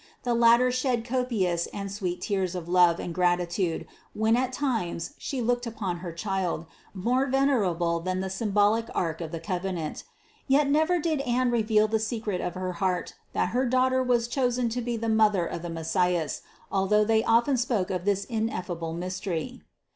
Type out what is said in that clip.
The latter shed copious and sweet tears of love and grati tude when at times she looked upon her Child, more venerable than the symbolic ark of the covenant. Yet never did Anne reveal the secret of her heart that her Daughter was chosen to be the Mother of the Messias, although they often spoke of this ineffable mystery.